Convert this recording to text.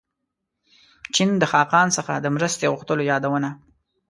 چین د خاقان څخه د مرستې غوښتلو یادونه.